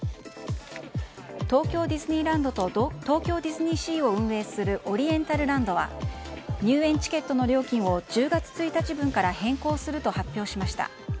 東京ディズニーランドと東京ディズニーシーを運営するオリエンタルランドは入園チケットの料金を１０月１日分から変更すると発表しました。